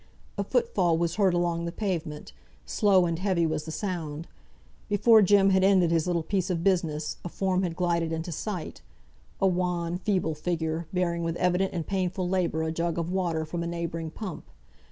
A foot fall was heard along the pavement; slow and heavy was the sound. Before Jem had ended his little piece of business, a form had glided into sight; a wan, feeble figure, bearing, with evident and painful labour, a jug of water from the neighbouring pump.